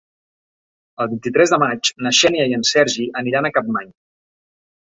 El vint-i-tres de maig na Xènia i en Sergi aniran a Capmany.